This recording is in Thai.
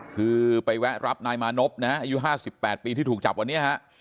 คือไปแวะรับนายมานพนะฮะอายุ๕๘ปีที่ถูกจับวันนี้ฮะ